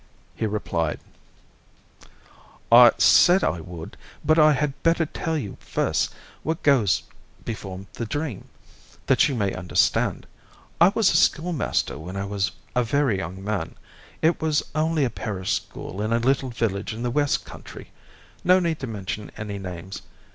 He replied: "I said I would; but I had better tell you first what goes before the dream, that you may understand. I was a schoolmaster when I was a very young man; it was only a parish school in a little village in the West Country. No need to mention any names.